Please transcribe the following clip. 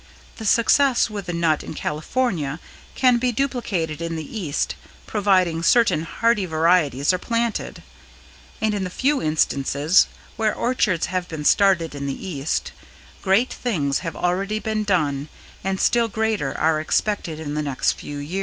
The success with the nut in California can be duplicated in the East providing certain hardy varieties are planted; and in the few instances where orchards have been started in the East, great things have already been done and still greater are expected in the next few years.